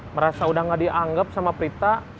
merasa udah gak dianggap sama prita